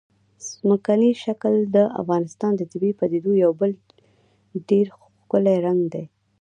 ځمکنی شکل د افغانستان د طبیعي پدیدو یو بل ډېر ښکلی رنګ دی.